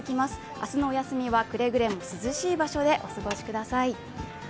明日のお休みはくれぐれも涼しい場所でお過ごしください。